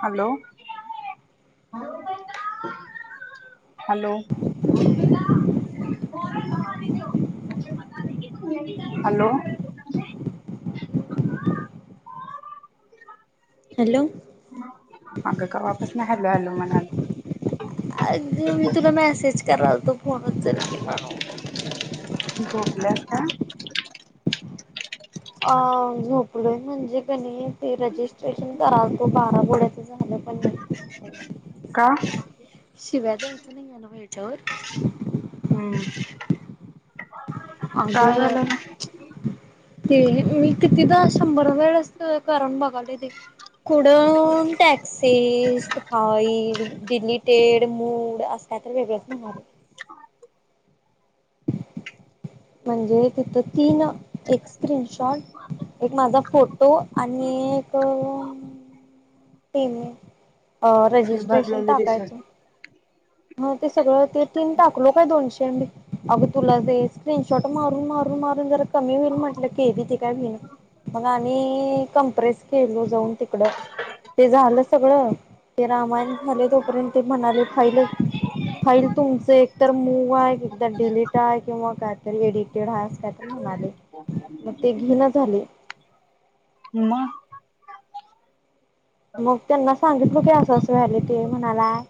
Hello? [unintelligible] Hello? [unintelligible] [unintelligible] Hello? Hello? अग कवापसन hello hello म्हणाल अगदी मी तुला मेसेज करालतो, फोन उचल की म्हणून झोपल्यास का? अ झोप लय म्हणजे कनी, ते रजिस्ट्रेशन करालतो [unintelligible] झालं पण नाही. [unintelligible] का? ्यायचं नाही आहे ना वच्यावर [unintelligible] हम्म. काय अगं झालं ना, ते मी कितीदा, शंभर वेळच करून बघालोय ते- कुड टॅक्सिस् फाईल डिलीटेड मूड अस काय तर वेगळंच सांगा लय, म्हणजे तिथं तीन एक स्क्रीनशॉट- एक माझा फोटो आणि एक [unintelligible] अ फी रजिस्ट्रेशन भरलेली टाकायचं- दिसत हा ते सगळं ते तीन टाकलो, काय दोनशे एम बी अगं तुला ते स्क्रीनशॉट मारून मार मारून जरा कमी होईल म्हटलं, केली ती काय हो मग आणि कमप्रेस केलो जाऊन तिकडं ते झालं सगळ ते रामायण झाले, तोपर्यंत ते म्हणाले फाईलं फाईल तुमच एकतर मूव आहे, डिलीट आहे किंवा कायतरी एडिटेड आहे अस काय तर म्हणाल, ह [unintelligible] मग ते घेणा झालय. म? मग त्यांना सांगितलं काय असं असं व्हायले ते म्हणाला-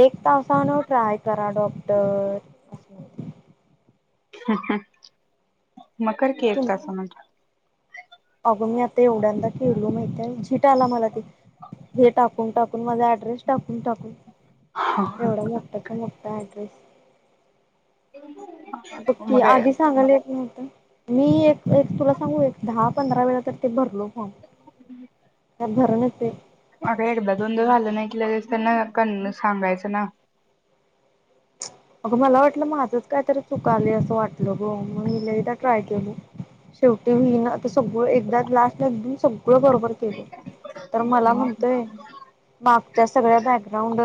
एक तासान ट्राय करा, डॉक्टर [unintelligible] म कर की एक तुम तासा नंतर. अगं मी आता एवढ्यांदा केलो, माहिती आहे झिट आला मला ते हे टाकून, टाकून माझा ऍड्रेस टाकून, टाकून- तासानंतर एवढा मोठ्याचा मोठा ऍड्रेस. बघ की, मग आधी अगं सांगले त नव्हत, मी एक एक तुला सांगू एक दहा पंधरा वेळा तर ते भरलो फॉर्म. ह भरणते [unintelligible] अग एकदा दोनंद झालं नाही, की त्यांना क सांगायचं ना? अगं मला वाटलं माझंच काय तरी चुकालय, असं वाटलं ग मग मी लयदा ट्राय केलं. शेवटी होईना, ते सगळं एकदा लास्टला एकद सगळं बरोबर केलं. तर मला म्हणतोय, सगळ्या बॅकग्राउंड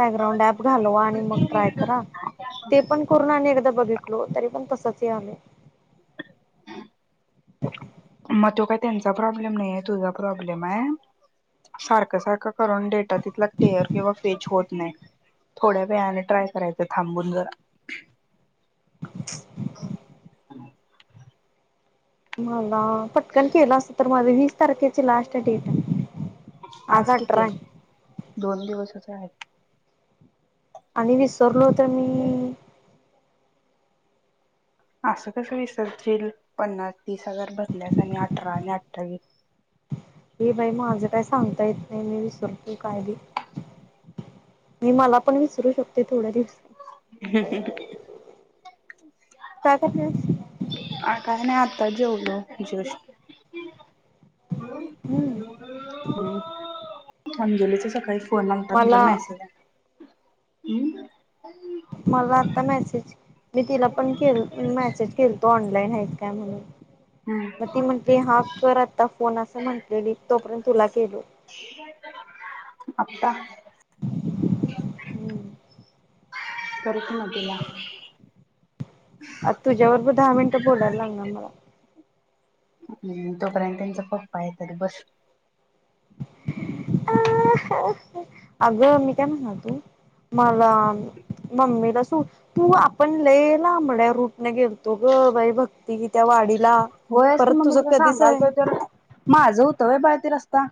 बॅकग्राउंड ऍप घालवा आणि मग ट्राय करा, ते पण कोरून एकदा बघितलो, तरी पण तसच यायलंय. [inaudible] मग तो काही त्यांचा प्रॉब्लेम नाही, तुझा प्रॉब्लेम आहे. सारखं सारखं करून डेटा तिथला केअर किंवा फेज होत नाही. थोड्या वेळाने ट्राय करायचं, थांबून जरा. [inaudible] मला पटकन केलं असत तर माझ वीस तारखेची लास्ट डेट आहे आज अठरा किती आहे. दोन दिवसाच आहेत आणि विसरलो होत मी असं कस विसरतील पन्नास तीस हजार बदल्यास आणि अठरा आणि क हे बाई माझं काय सांगता येत नाही मी विसरतो कायली मी मला पण विसरू शकते थोड्या दिवस ह का कर काय नाही आता जेव हम्म अमजोलीच सकाळी फोण आलता तुझ मला मेसेज हम् मला आता मेसेज मी तिला पण केला मेसेज केलतो ऑनलाईन ह काय म्हला हम्म मग ती म्हंटली हा कर आता फोन असं म्हंटलेली तोपर्यंत तुला गेलो का करिक नटला [unintelligible] आ तुझ्या बरोबर दहा मिनटं बोलायला लागनार मला हम्म तोपर्यंत त्यांचा पप्पा येतरी बस अ अगं मी काय म्हणाल तो मला मम्मीला सू तू आपण लई लामच्या रूटने गेलतो ग बाई बक्ती की त्या वाडी होयस त मग मी तुला सांगाल त तर माझं होतं बाय ते रस्ता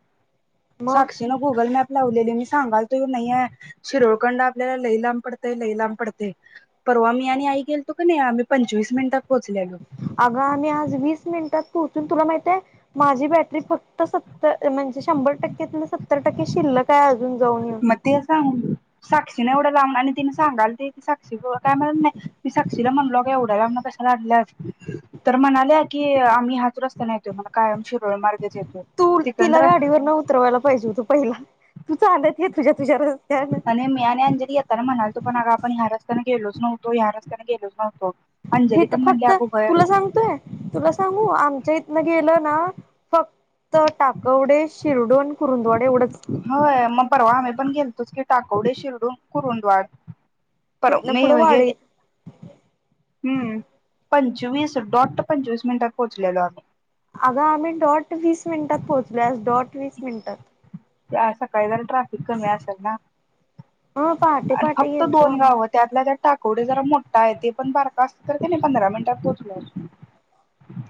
मग साक्षी न गुगल मॅप लावलेली मी सांगाल तो नाही शिरूर कडन आपल्याला लई लांब पडतय लई लांब पडतेय परवा मी आणि आई गेल तो का नाही आम्ही पंचवीस मिनिटात पोहोचलेलो अगं आम्ही आज वीस मिनिटात पोहोचून तुला माहितय माझी ब फक्त सत्तर म्हणजे शंभर टक्के सत्तर टक्के शिल्लक आहे अजून जाऊन येऊन. मग ते सांगून साक्षी ना एवढं लावून आणि तिने सांगाल साक्षी काय म्हणा नाही मी साक्षीला म्हणलो का एवढ्या लामण कशालाल्याच तर म्हणाल्या की आम्ही हाच रस्त्याने येतोय कायमच तू तिला गाडीवर न उतरवायला पाहिजे हो तू पहिला तुझ अंदा ये तुझ्या तुझ्याच आणि मी अ आणि अंजली येेताना म्हणाल तू पण ग आपण ह्याच गेलोज न होतो या रस्त्याने गेलोज नव्हतो हे अंजली तर पण म्हणली फक्त अगं होय तुला सांगतोय तुला सांगू आमच्या इथनं गेलं ना फक्त टाकवडे शिरडून होय मग पर वाम आपण गेलतोस की टाकवडे शिरडू कुरुंदवाड पर तिथनं मी पुढं होग वाढीत हम्म पंचवीस दोड पंचवीस मिनटात पोहचलेलो आम्ही आग आम्ही दॉट वीस मिनिटात पोहोचलोज दॉट वीस मिनिटात ते अ सकाळी जरा ट्रॅफिक कमी असेल ना ह पहाटे पहाटे फक्त गेलतो दोन आम्ही गाव त्यातला त्या टा तेवढे जरा मोठा आहे ते पण बारका असत तर त्या नाही पंधरा मिनिटात पोहोचल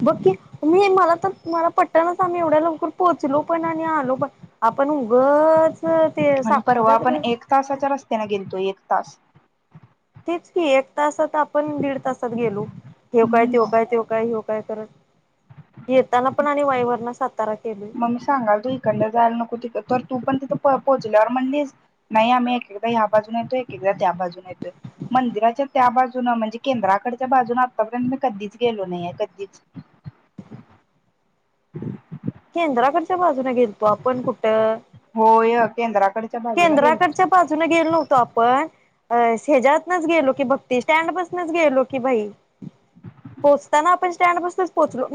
बघकी मी मला तर मला पट्टनच आम्ही एवढ्या लवकर पोहोचलो पण आणि आलो पण आपण उगच ते म्हजे परवा साक्षीला आपण तर एक तासाच्या रस्त्याने गेलतोय एक तास की एक तासात आपण दीड तासात गेलो हेव काय तेव काय तेव काय ह्यो काय येताना पण आणि वाई वरन सातारा केलोय. मग मी सांगाल तू इकडनं जायल नको त तर तू पण तिथं पोहचल्यावर म्हणलीस नाही आम्ही एक एकदा ह्या बाजूून येतो एकदा त्या बाजून येतोय मंदिराच्या त्या बाजू म्हणजे केंद्राकडच्या बाजून आतापर्यंत मी कधीचं गेलो नाही कधीचं [inaudible] केद्राकडच्या बाजून गेलतो आपण कुठं होय केंद्राकडच्या बाजून गेल केंद्राकडच्या बाजूने गेलो नव्हतो आपण अ ह्याज्यातनच गेलो की भक्ती स्टँड पासनच गेलो की बाई पोचताना आपण स्टँडपासूनच पोचलो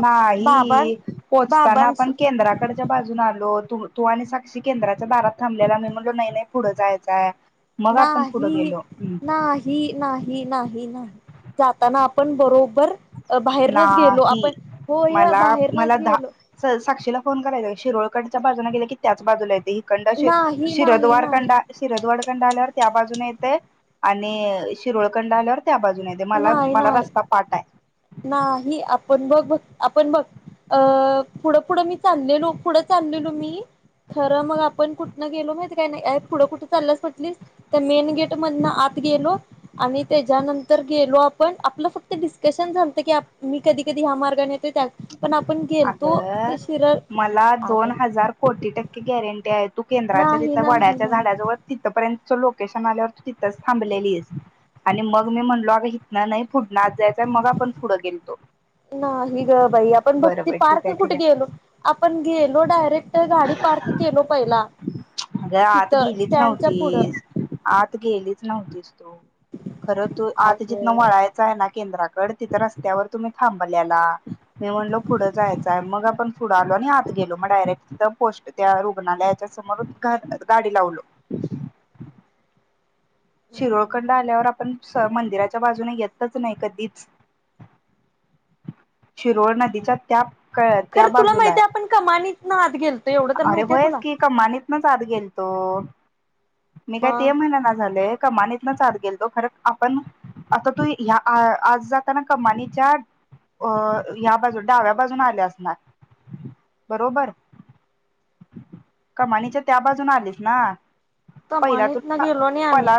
नाही पोहोचताना बाबांस आपण केंद्राकडच्या बाजून आलो तू तू आणि साक्षी केंद्राच्या दारात थांबलेला मी म्हटलो नाही नाही पुढं जायचंय मग आपण पुढं नाही गेलो नाही नाही नाही नाही जाताना आपण बरोबर बाहेरनच गेलो नाही आपण होय मला बाहेरनच मला गेलो दहा साक्षीला फोन करायंच ग शिरोळकडच्या बाजून गेल की त्याच बाजूला येतय इकडं नाही नाही शिरदवाड कडन नाही शिरदवाड कडन आल्यावर त्या बाजूने आणि शिरोळकंड आल्यावर त्या बाजून येत मला नाही मला नाही रस्ता पाठ आहे नाही ह आपण बघ बघ आपण बघ अ पुढं पुढं मी चाललेलो पुढं चाललेलो मी खरं मग आपण कुठनं गेलो माहित काय नाही पुढं कुठं चाललंस म्हटलीस त्या मेन गेट मधन आत त्या गेलो आणि त्याच्यानंतर गेलो आपण आपलं फक्त डिस्कशन झालता की मी कधी कधी या मार्गाने येत त्या पण आपण गेलतो अगं ते शिरळ मला आत दोन हजार कोटी टक्के गॅरंटी आहे तू केंद्राच्या नाही तिथं नाही वड्याच्या नाही झाडाजवळ तिथपर्यंत लोकेशन आल्यावर तू तिथ थांबलेलीस आणि मग मी म्हणलो अगं इथंन नाही पुढंन आत जायचा मग आपण पुढं गेलतो नाही ग आपण बरं भक्ती बर ठीक पार्क आहे कुठे ठीक आहे गेलो आपण गेलो डायरेक्ट गाडी पार्क केलो पहिला अगं आत तिथं गेलीच स्टँडच्या पुढं नव्हतीस आत गेलीच नव्हतीस तू खरं तू आत अगं जिथनं मी म्हणलो पुढं जायचंय मग आपण पुढं आलो आणि आत गेलो मग डायरेक्ट पोस्ट त्या रुग्णालयाच्या समोर गाडी लावलो शिरोळ कडन आल्यावर आपण मंदिराच्या बाजूने येतच नाही कधीच शिरोळ नदीच्या त्या कळलं त्या खरं तुला बाजूला हा माहितीय आपण कमानीतनं आत गेलतो एवढं तर य अरे माहितीय होयच तुला की कमानीतन आत गेल तो मी काय मग ते म्हणना झालोय. कमानीतनच आत गेलतो खरं आपण अ या बाजून डाव्या बाजून आले असणार बरोबर कमानीच्या त्या बाजून आलेस ना पहिला कमानीतनं तुला गेलो नाही आम्ही पला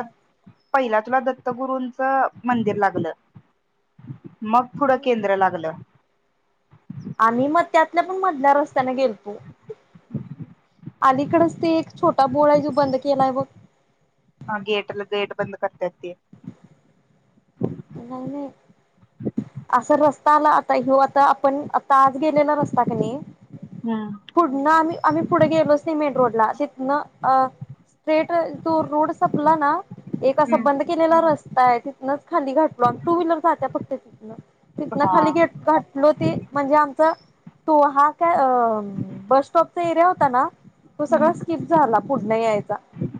पहिला तुला दत्तगुरूंचं मंदिर लागलं मग पुढं केंद्र लागलं आणि मग त्यातल्या पण मधल्या रस्त्याने गेलतो अलिकडच ते एक छोटा बोळ आहे जो बंद केलाय बग हा गेट गेट बंद करत्यात ते नाही नाही असा रस्ता आला आता ह्यो आता आपण आता आत गेलेला रस्ता क नई हम्म पुढन आम्ही आम्ही पुढे गेलो सिमेंट रोडला तिथंन अ स्ट्रेट तो रोड संपला ना एक असा हम्म बंद केलेला रस्ता आहे तिथंनच खाली घातलो टू व्हीलर जात्या फक्त तिथनं तिथनं हा खाली घातलो ते म्हणजे आमचं तो हा काय अं बस स्टॉपचा एरिया होता ना तो सगळा हम्म स्किप झाला पुढनं यायचा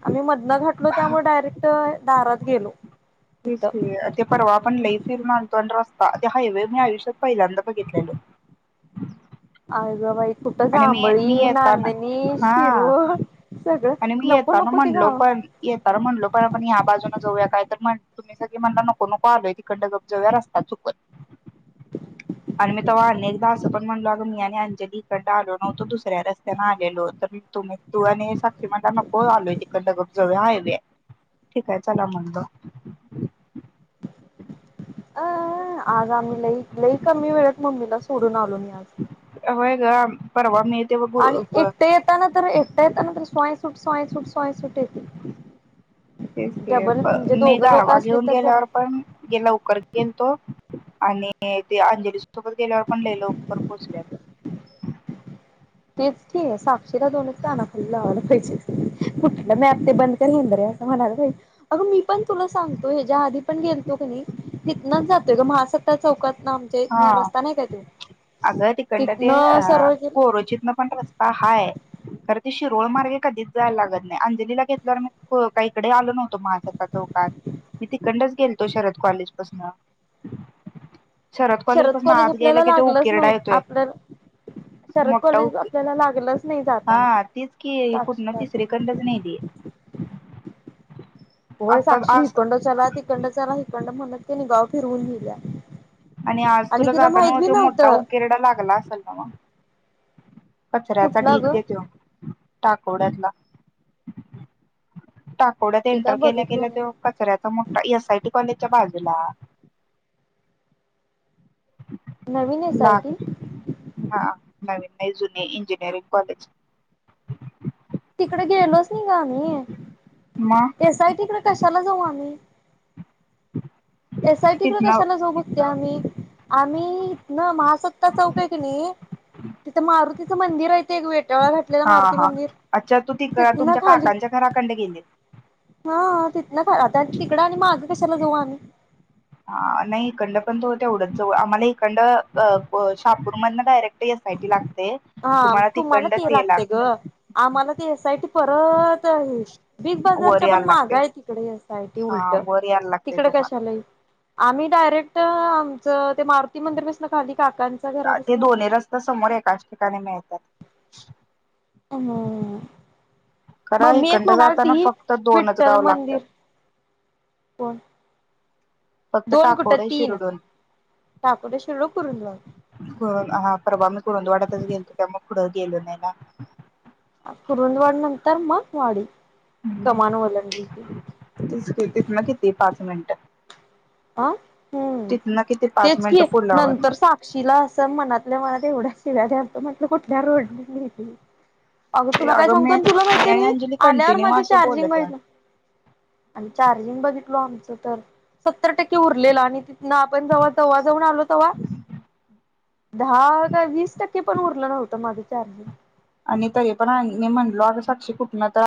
आम्ही मधनं घातलो त्यामुळे डायरेक्ट दारात गेलो. तेच तिथं ठेवूया परवा आपण लई फिरून आणलतो आणि रस्ता ते हाइवे ह मी आयुष्यात पहिल्यांदा बघितलेलो. अगं बाई कुठं आणि मी मी जांबळी, येताना नांदणी, हा शिरोळ, च आणि मी येताना म्हणलो पण येताना म्हणलो तर आपण या बाजूना जाऊया काय? तर म्हण तुम्ही सगळे म्हणला नको नको आलोय तीकडनं गप जाऊया रस्ता चुकल. आणि मी तेव्हा तुम्ही तू आणि साक ते म्हणला नको आलोय तिकडनं गप जाऊया हायवे हाय ठीक हाय चला म्हटलं. अ आज आम्ही लई लई कमी वेळात मम्मीला सोडून आलो मी. आज. होय ग परवा मी ते आणि गुरु एकटा येताना तरी एकटा येताना तरी स्वाय सुट, स्वाय सुट, स्वाय सुट ये तेच की प म्हणजे मे दोघं लोक गारवा असले घेऊन तर जरा गेल्यावर पण गे लवकर गेलतो आणि ते अंजली सोबत गेल्यावर पण लई लवकर पोहोचल्यालो. तेच की साक्षीला दोनचं कानाखाली लावाला पाहिजेत कुठलं मॅप ते बंद कर हेंदऱ्या. असं म्हणालती अगं मी पण तुला सांगतो हेज्या आधी पण गेलतो कनि हितनं जातोय ग महा चका चौकात हा अगं तिकंड ते तिथनं हा सरळ गेलं कोरोचितन पण रस्ता हाय. कर ती शिरोळ मार्गे कधीच जायला लागत नाय अंजलीला घेतल्यावर मी को काय इकडे आलो नव्हतो माहाजता चौ हो कात मी तिकंडच गेलतो शरद कॉलेज पसनं. शरद कॉलेज पसनं आत गेयला आपल्याला की तो लागलंच उकीरडा नव्ह येतोय आपल्याला शरद मोठा कॉलेज उकी आपल्याला लागलंच नाही जाताना. हा तीच की साक्षी कुठनं काकू तिसरीे कंडच न्हेली. होय आता साक्षी आज हिकंड चला तिकंड चला हिकंड म्हणत कने गाव फिरवून न्हेल्या. आणि आज तुला जाताना त्यो मोठा उकीरडा लागला असल न्हवं. कचऱ्याचा ढीक ग त्यो टाकोड्यातला. टाकोड्यात ते काय एंटर केल्या बघितलो गेल्या नाही. त्यो कचऱ्याचा मोठा एस आय टी कॉलेजच्या बाजूला नवीन एस आय टी लाग हा. नवीन नाही जुने इंजिनिअरिंग कॉलेज तिकडे गेलोच नाई ग आम्ही मग एस आय टी कड कशाला जाऊ आम्ही? एस आय टी कडे तिथनं कशाला जाऊ भक्ते आम्ही? आम्ही हितनं महासत्ता चौक हाय कनि तिथं मारुतीचं मंदिर हाय ते एक वेटाळा घाटलेला मारुती मंदिर तु तिकड तिथनं तुमच्या खाली काकांच्या घरा कंड गेलीत. हा तिथनं आता तिकडं आणि माघ कशाला जाऊ आम्ही. हा नाही इकंड पण तो तेवढंच जवळ आम्हाला इकंड अ अ प शापूरमधनं डायरेक्ट य आय टी लाग हा तुम्हाला ते लागतय गं बिग वर बाजारच्या पण यायला मागं लागते हाय तिकडे एस आय टी हा उलटं वर यायला लागते तिकडे तुम्हाला कशाला ये आम्ही डायरेक्ट आमचं ते मारुती मंदिर पसनं खाली काकांच्या ते घरापासन दोन्ही रस्त्या समोर एकाच ठि हो. खरं मम्मी एक इकडनं म्हणालती जाताना फक्त दोनच विठ्ठल गाव लागतात मंदिर पण. फक्त टाकोड आहे शिरडून टाकोडे शिर्डो कुरुंदवाड हा. परवा मी कुरुंदवाडा तच गेलतो त्यामुळेग पुढं गेलो नाही ना. कुरुंदवड नंतर मग वाडी. हम्म कमान ओलांडली ती तीच तिथन किती पाच मिनट. आ हम्म. तिथनं किती पाच तेच कि मिनिटं पुलावर नंतर साक्षीला असं मनातल्या मनात एवढ्या शीव्या घात ल्या म्हटलं कुठल्या रोडन येती? अगं ते तुला काय सांगतो मी तुला माहितीय आणि मी अंजली आल्यावर कंटिन्यू माझं असं चार्जिंग बोलत बघितल. आणि चार्जिंग बघितलो आमचं तर सत्तर टक्के उरलेला आणि तिथन आपण जव्हा तेव्हा जाऊन आलो तेव्हा दहा का वीस टक्के पण उरलं नव्हतं माझं चार्जिंग आणि तरी पण आ मी म्हणलो अग साक्षी कुठण तर आ [unintelligible]